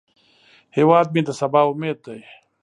هیواد مې د سبا امید دی